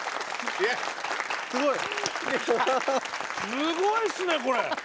すごいっすねこれ。